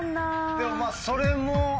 でもまぁそれも。